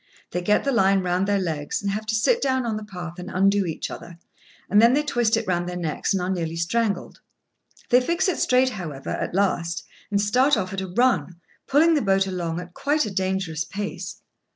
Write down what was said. They get the line round their legs, and have to sit down on the path and undo each other, and then they twist it round their necks, and are nearly strangled. They fix it straight, however, at last, and start off at a run, pulling the boat along at quite a dangerous pace.